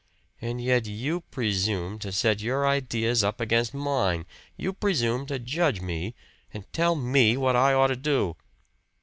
And yet you presume to set your ideas up against mine! You presume to judge me, and tell me what I ought to do!"